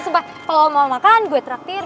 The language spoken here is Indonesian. sebab kalau mau makan gue traktir